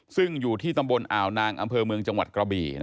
ซึ่งอยู่ที่ตำบลอ่าวนางอำเภอเมืองจังหวัดกระบี่